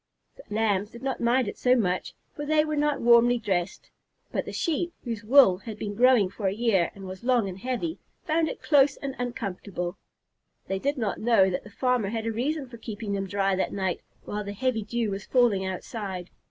The Lambs did not mind it so much, for they were not warmly dressed, but the Sheep, whose wool had been growing for a year and was long and heavy, found it very close and uncomfortable. They did not know that the farmer had a reason for keeping them dry that night while the heavy dew was falling outside.